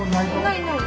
ないない。